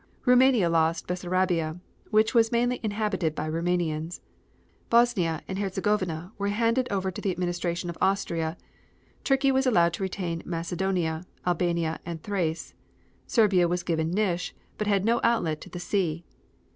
Roumania lost Bessarabia, which was mainly inhabited by Roumanians. Bosnia and Herzegovina were handed over to the administration of Austria. Turkey was allowed to retain Macedonia, Albania and Thrace. Serbia was given Nish, but had no outlet to the sea.